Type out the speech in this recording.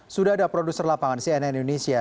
sudah ada produser lapangan cnn indonesia